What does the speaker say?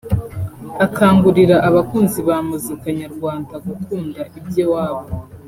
Akangurira abakunzi ba muzika nyarwanda gukunda iby iwabo